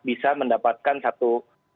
bisa mendapatkan satu